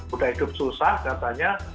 udah hidup susah katanya